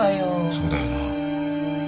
そうだよな。